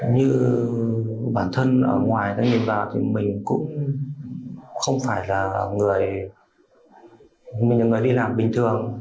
như bản thân ở ngoài đây nhìn vào thì mình cũng không phải là người đi làm bình thường